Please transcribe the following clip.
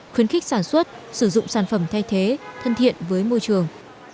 khuyến khích sản xuất sử dụng sản phẩm thay thế thân thiện với môi trường